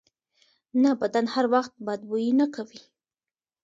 نه، بدن هر وخت بد بوی نه کوي.